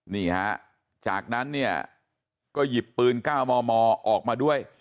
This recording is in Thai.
นี่ฮะจากนั้นเนี่ยก็หยิบปืน๙มมออกมาด้วย